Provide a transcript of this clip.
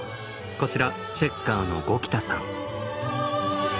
こちらチェッカーの五木田さん。